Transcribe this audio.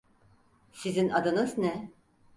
Sizin adınız ne?